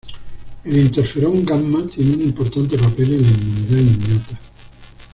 El interferón-gamma tiene un importante papel en la inmunidad innata.